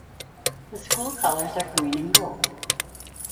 The school colors are green and gold.